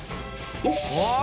よし！